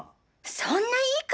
そんな言い方！